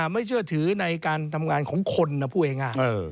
ไม่เชื่อถือในการทำงานของคนผู้เอง